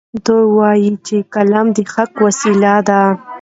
دی وایي چې قلم د حق وسیله ده.